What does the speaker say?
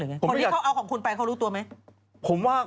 เอาของคุณไปเขารู้ตัวไหม